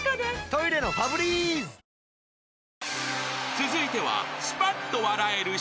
［続いては］